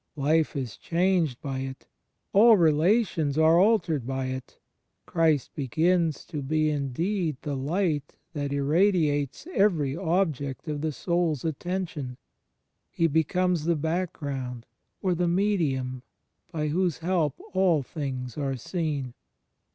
Life is changed by it: all relations are altered by it; Christ begins to be indeed the Light that irradiates every object of the sotd's attention: He becomes the background, or the medium, by whose help all things are seen.